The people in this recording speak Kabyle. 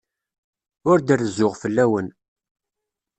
Ur d-rezzuɣ fell-awen.